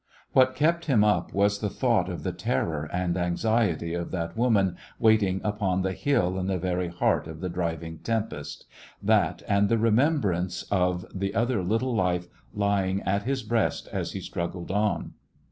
What kept him up was the thought of the terror and anxiety of that woman waiting upon the hill in the very heart of the driving tem pest — that, and the remembrance of the other little life lying at his breast as he struggled on.